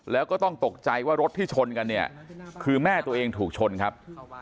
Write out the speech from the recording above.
แล้วก็ต้องตกใจว่ารถที่ชนกันเนี่ยคือแม่ตัวเองถูกชนครับ